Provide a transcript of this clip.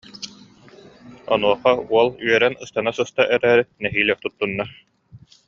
Онуоха уол үөрэн ыстана сыста эрээри, нэһиилэ туттунна